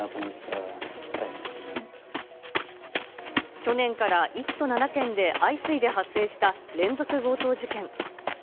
去年から１都７県で相次いで発生した連続強盗事件。